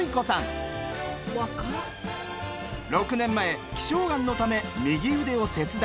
６年前希少がんのため右腕を切断。